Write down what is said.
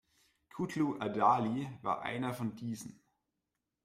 Kutlu Adali war einer von diesen.